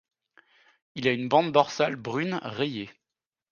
Il a une bande dorsale brune rayée.